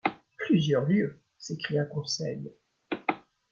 Plusieurs lieues ! s’écria Conseil.